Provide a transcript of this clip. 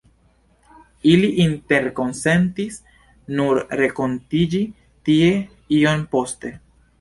Ili interkonsentis nur renkontiĝi tie iom poste.